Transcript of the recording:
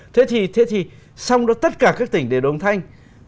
thế thì xong đó tất cả các tỉnh đều đồng thanh